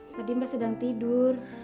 tadi mbak sedang tidur